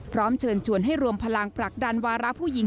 พร้อมเชิญชวนให้รวมพลังผลักดันวาระผู้หญิง